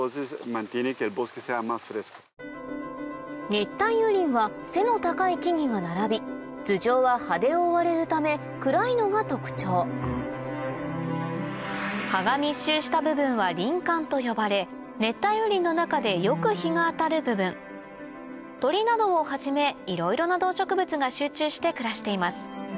熱帯雨林は背の高い木々が並び頭上は葉で覆われるため暗いのが特徴葉が密集した部分は林冠と呼ばれ熱帯雨林の中でよく日が当たる部分鳥などをはじめいろいろな動植物が集中して暮らしています